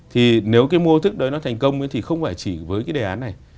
thì nếu cái mô thức đấy nó thành công thì không phải chỉ với cái đề án này